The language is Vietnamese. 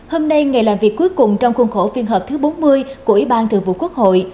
hôm nay ngày làm việc cuối cùng trong khuôn khổ phiên họp thứ bốn mươi của ủy ban thường vụ quốc hội